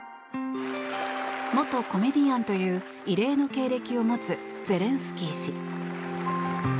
元コメディアンという異例の経歴を持つゼレンスキー氏。